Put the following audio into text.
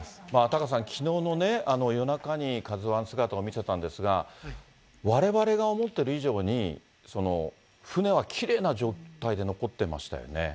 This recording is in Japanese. タカさん、きのうの夜中にＫＡＺＵＩ、姿を見せたんですが、われわれが思ってる以上に、船はきれいな状態で残ってましたよね。